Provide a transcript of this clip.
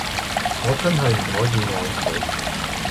我真係唔可以愛佢